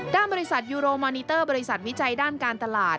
ด้านบริษัทยูโรมานิเตอร์บริษัทวิจัยด้านการตลาด